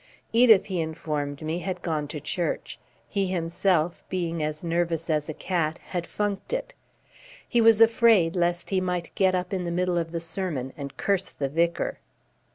Edith, he informed me, had gone to church; he himself, being as nervous as a cat, had funked it; he was afraid lest he might get up in the middle of the sermon and curse the Vicar.